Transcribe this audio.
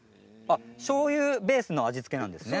しょうゆベースの味付けなんですね。